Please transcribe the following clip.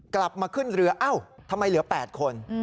กลับมาขึ้นเรือเอ้าทำไมเหลือ๘คน